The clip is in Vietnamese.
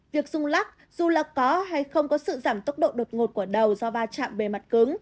việc rung lắc dù là có hay không có sự giảm tốc độ đột ngột của đầu do va chạm bề mặt cứng